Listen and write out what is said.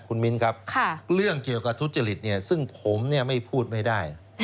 คุณมิ้นครับเรื่องเกี่ยวกับทุจริตซึ่งผมไม่พูดไม่ได้